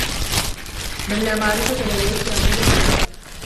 مَن لا معرفة لديه لا قوة له.